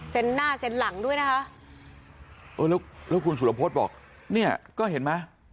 หน้าเซ็นหลังด้วยนะคะเออแล้วแล้วคุณสุรพฤษบอกเนี่ยก็เห็นไหม